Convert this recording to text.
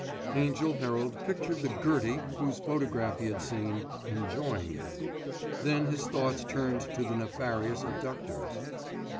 Angell Herald pictured the Gertie whose photograph he had seen, "enjoying it." Then his thoughts turned to the nefarious abductors.